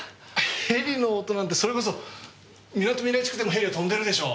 ヘリの音なんてそれこそみなとみらい地区でもヘリは飛んでるでしょう？